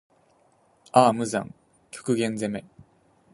ああ無惨～極限責め～